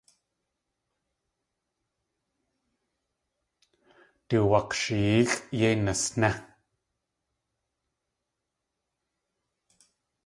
Du wak̲shiyeexʼ yéi nasné!